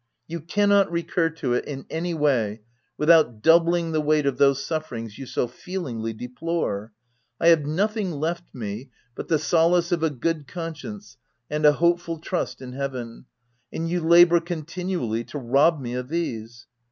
You cannot recur to it in any way, without doubling the weight of those sufferings you so feelingly deplore. I have nothing left me but the solace of a good conscience and a hopeful trust in Heaven, and you labour con tinually to rob me of these.